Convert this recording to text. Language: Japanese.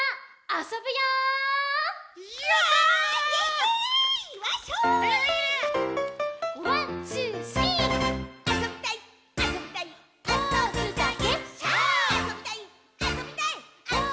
「あそびたいっ！」